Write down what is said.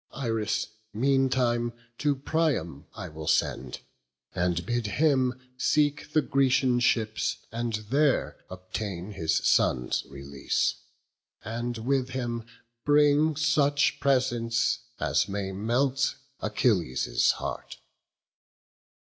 Iris meantime to Priam I will send, And bid him seek the Grecian ships, and there Obtain his son's release: and with him bring Such presents as may melt Achilles' heart."